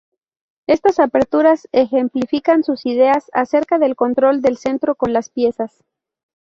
Estas aperturas ejemplifican sus ideas acerca del control del centro con las piezas.